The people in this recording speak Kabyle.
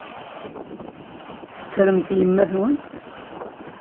Tettremt yemma-twent?